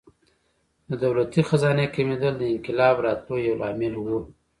د دولتي خزانې کمېدل د انقلاب راتلو یو لامل و.